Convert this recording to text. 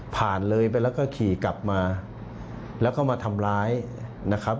ผ่านเลยไปแล้วก็ขี่กลับมาแล้วก็มาทำร้ายนะครับ